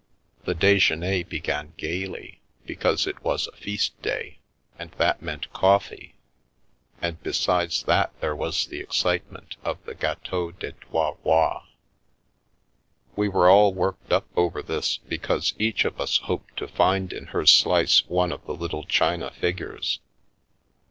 The dejeuner began gaily, because it was a feast day, and that meant coffee, and besides that there was the excite ment of the Gateau des Trots Rots. We were all worked up over this, because each of us hoped to find in her slice one of the little china figures.